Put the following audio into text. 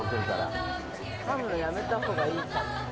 かむのやめたほうがいいかも。